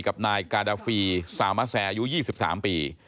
กับนายกาดาฟีซามะแซอายุ๒๓ปี